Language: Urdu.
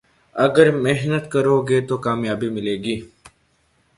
اگر محنت کرو گے تو کامیابی ملے گی